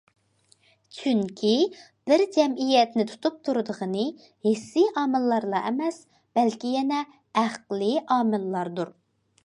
چۈنكى، بىر جەمئىيەتنى تۇتۇپ تۇرىدىغىنى ھېسسىي ئامىللارلا ئەمەس، بەلكى يەنە ئەقلىي ئامىللاردۇر.